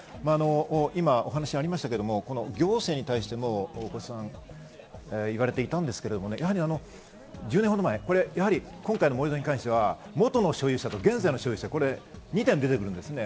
今、お話にありましたけど、行政に対しても小磯さん、言われていたんですけどね、１０年ほど前、今回の盛り土に関しては元の所有者と現在の所有者２点出てくるんですね。